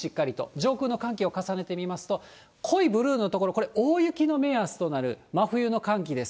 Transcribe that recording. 上空の寒気を重ねてみますと、濃いブルーの所、これ、大雪の目安となる真冬の寒気です。